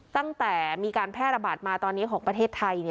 ตั้งแต่มีการแพร่ระบาดมาตอนนี้ของประเทศไทย